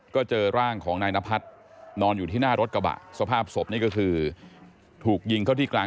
ก็เจอร่างของนายนพัฒน์